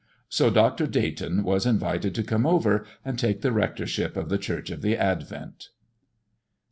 So Dr. Dayton was invited to come over and take the rectorship of the Church of the Advent.